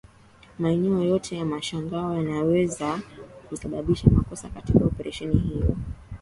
Maneno yoyote ya mshangao yanaweza kusababisha makosa katika oparesheni hiyo